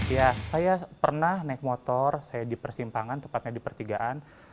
ya saya pernah naik motor saya di persimpangan tepatnya di pertigaan